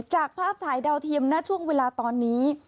จากภาพถ่ายดาวเทียมณช่วงเวลาตอนนี้